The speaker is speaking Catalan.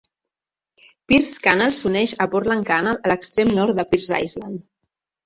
Pearse Canal s'uneix a Portland Canal a l'extrem nord de Pearse Island.